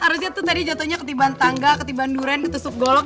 arusnya tuh tadi jatuhnya ketibaan tangga ketibaan durian ketesuk golok